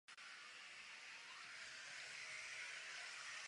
Jako první popsal „kanály“ na povrchu Marsu.